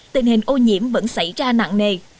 tình hình ô nhiễm vẫn xảy ra nặng mạnh